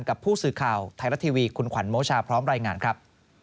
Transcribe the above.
กับผู้สื่อข่าวไทยรัฐทีวีคุณขวัญโมชาพร้อมรายงานครับ